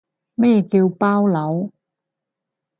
咩叫包佬